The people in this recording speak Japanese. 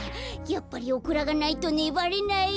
やっぱりオクラがないとねばれない。